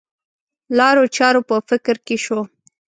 لارو چارو په فکر کې شو.